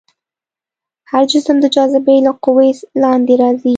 هر جسم د جاذبې له قوې لاندې راځي.